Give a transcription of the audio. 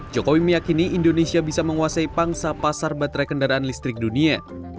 jokowi meyakini indonesia bisa menguasai pangsa pasar baterai kendaraan listrik dunia